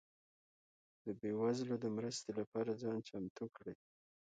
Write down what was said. ده بيوزلو ده مرستي لپاره ځان چمتو کړئ